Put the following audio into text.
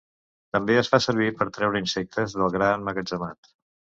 També es fa servir per treure insectes del gra emmagatzemat.